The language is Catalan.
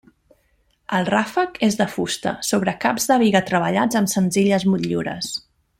El ràfec és de fusta, sobre caps de biga treballats amb senzilles motllures.